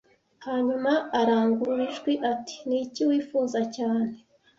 Hanyuma arangurura ijwi ati Ni iki wifuza cyane